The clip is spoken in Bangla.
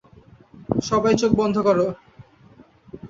সবাই চোখ বন্ধ করো।